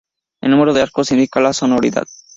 El número de arcos indica la sonoridad.